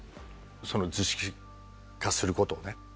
その図式化することをね。